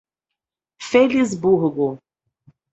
Felisburgo